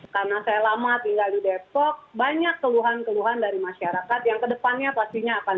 karena saya lama tinggal di depok banyak keluhan keluhan dari masyarakat yang kedepannya pastinya akan